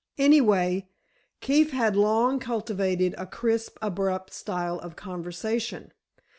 Anyway, Keefe had long cultivated a crisp, abrupt style of conversation.